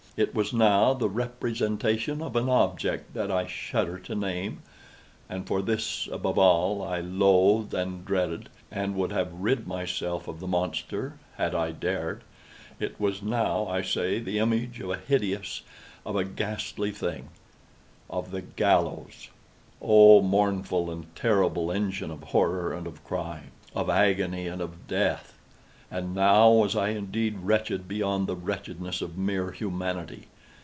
It was now the representation of an object that I shudder to name—and for this, above all, I loathed, and dreaded, and would have rid myself of the monster had I dared—it was now, I say, the image of a hideous—of a ghastly thing—of the GALLOWS!—oh, mournful and terrible engine of Horror and of Crime—of Agony and of Death! And now was I indeed wretched beyond the wretchedness of mere Humanity.